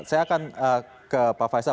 saya akan ke pak faisal